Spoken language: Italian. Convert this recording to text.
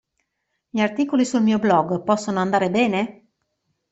Gli articoli sul mio blog possono andare bene?